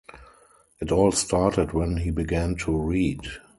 It all started when he began to read.